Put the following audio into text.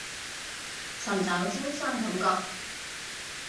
尋找清新感覺